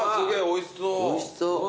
おいしそう。